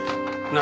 何！？